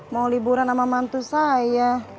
mau liburan sama mantu saya